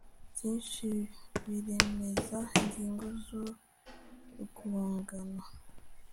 byinshi biremereza ingingo zu rwungano